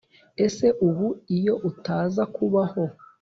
ese ubu iyo utaza kubaho